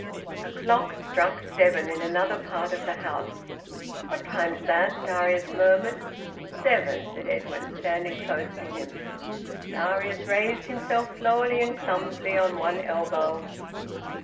A clock struck seven in another part of the house. "What time's that?" Darius murmured. "Seven," said Edwin, standing close to him. Darius raised himself slowly and clumsily on one elbow.